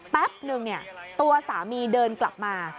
แป๊บนึงตัวสามีเดินกลับมา